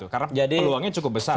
karena peluangnya cukup besar